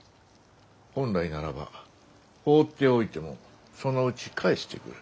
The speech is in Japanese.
本来ならば放っておいてもそのうち返してくる。